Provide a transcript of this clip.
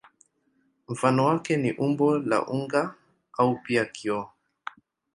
Mfano wake ni umbo la unga au pia kioo.